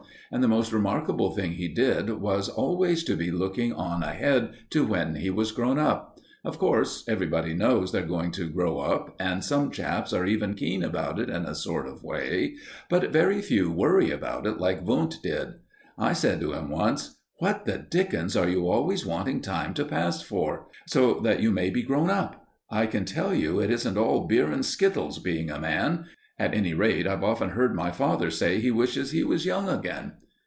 And the most remarkable thing he did was always to be looking on ahead to when he was grown up. Of course, everybody knows they're going to grow up, and some chaps are even keen about it in a sort of way, but very few worry about it like Wundt did. I said to him once "What the dickens are you always wanting time to pass for, so that you may be grown up? I can tell you it isn't all beer and skittles being a man. At any rate, I've often heard my father say he wishes he was young again."